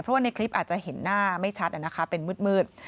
เพราะว่าในคลิปอาจจะเห็นหน้าไม่ชัดเป็นมืด